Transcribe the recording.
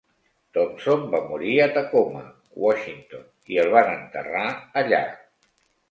Thompson va morir a Tacoma, Washington, i el van enterrar allà.